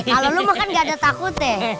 kalau lo makan gak ada takut ya